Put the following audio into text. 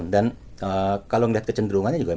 dan kalau ngeliat kecenderungannya juga